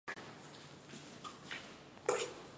他去世后被葬于腓特烈斯贝的。